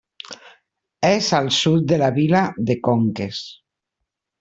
És al sud de la vila de Conques.